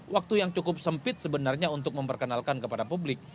waktu yang cukup sempit sebenarnya untuk memperkenalkan kepada publik